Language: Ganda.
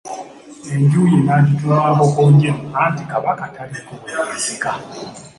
Enju ye n'agituuma Nkokonjeru, anti Kabaka taliiko we yeekisa.